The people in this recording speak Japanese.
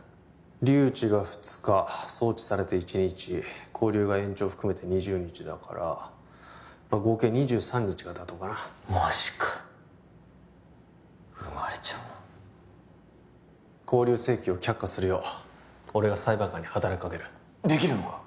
留置が２日送致されて１日勾留が延長含めて２０日だから合計２３日が妥当かなマジか生まれちゃうな勾留請求を却下するよう俺が裁判官に働きかけるできるのか？